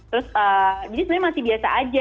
terus jadi sebenarnya masih biasa aja